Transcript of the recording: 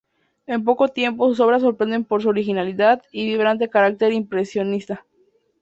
En poco tiempo, sus obras sorprenden por su originalidad y vibrante carácter impresionista.